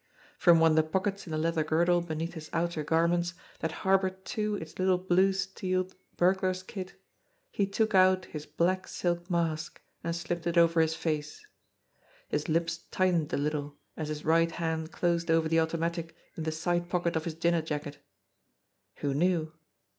From one of the pockets in the leather girdle beneath his outer garments, that harboured too its little blued steel bur glar's kit, he took out his black silk mask and slipped it over his face. His lips tightened a little, as his right hand closed over the automatic in the side pocket of his dinner jacket. Who knew